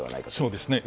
そうですね。